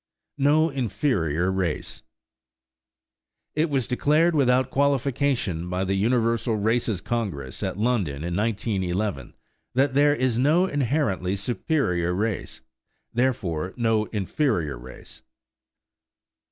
NO "INFERIOR RACE" It was declared without qualification by the Universal Races Congress at London in 1911 that there is no inherently superior race, therefore no inferior race.